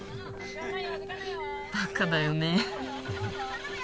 バカだよね